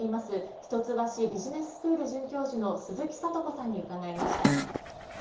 一橋ビジネススクール准教授の鈴木智子さんに伺いました。